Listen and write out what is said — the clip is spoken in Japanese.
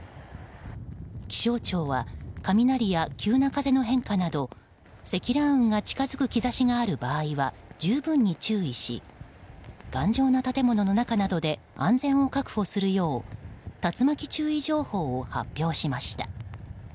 気象庁は雷や急な風の変化など積乱雲が近づく兆しがある場合は十分に注意し頑丈な建物の中などで安全を確保するよう竜巻注意情報を発表しました。